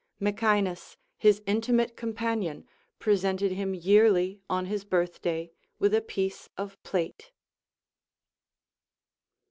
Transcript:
]\iecaenas, his intimate companion, presented him yearly on his birthday with a piece of plate.